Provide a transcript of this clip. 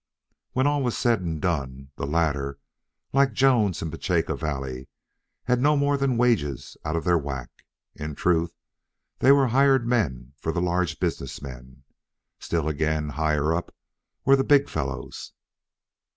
When all was said and done, the latter, like Jones in Petacha Valley, got no more than wages out of their whack. In truth, they were hired men for the large business men. Still again, higher up, were the big fellows.